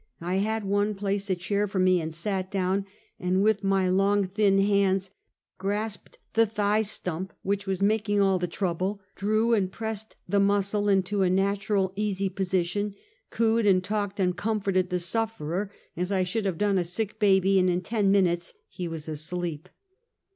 I had one place a chair for me, sat down, and with my long, thin hands grasped the thigh stump, which was making all the trouble, drew and pressed the mus cle into a natural, easy position, cooed and talked and comforted the sufferer, as I should have done a sick baby, and in ten minutes he was asleep.